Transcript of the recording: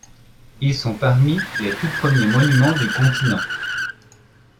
Ils sont parmi les tout premiers monuments du continent.